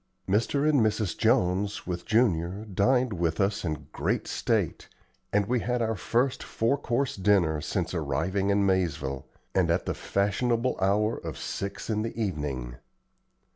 Mr. and Mrs. Jones, with Junior, dined with us in great state, and we had our first four course dinner since arriving in Maizeville, and at the fashionable hour of six in the evening.